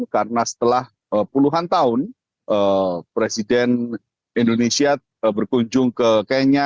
karena setelah puluhan tahun presiden indonesia berkunjung ke kenya